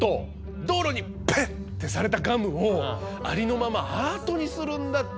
道路にペッ！ってされたガムをありのままアートにするんだって。